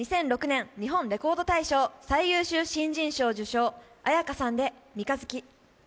２００６年「日本レコード大賞」最優秀新人賞受賞、絢香さんで「三日月」。